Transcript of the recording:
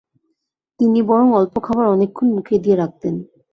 তিনি বরং অল্প খাবার অনেকক্ষণ মুখে দিয়ে রাখতেন।